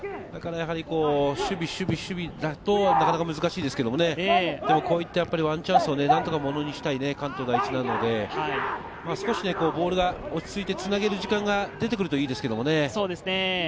守備、守備、守備だと、なかなか難しいですけど、こういったワンチャンスを何とかものにしたい関東第一なのでボールが落ち着いてつなげる時間が出てくるといいですけどね。